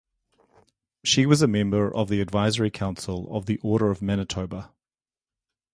She was a member of the Advisory Council of the Order of Manitoba.